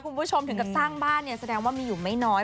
ถึงกับสร้างบ้านที่แสดงว่ามีอยู่ไม่น้อย